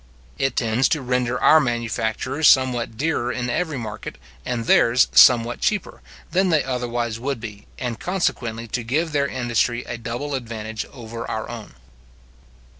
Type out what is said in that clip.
It tends to render our manufactures somewhat dearer in every market, and theirs somewhat cheaper, than they otherwise would be, and consequently to give their industry a double advantage over our own.